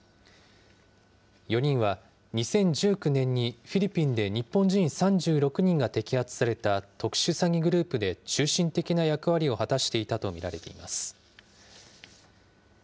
４人は２０１９年に、フィリピンで日本人３６人が摘発された特殊詐欺グループで中心的な役割を果たしていたと見られています。